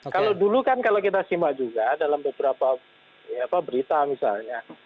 kalau dulu kan kalau kita simak juga dalam beberapa berita misalnya